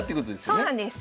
そうなんです。